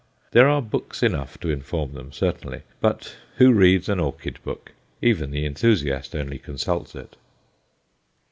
There are books enough to inform them, certainly; but who reads an Orchid Book? Even the enthusiast only consults it.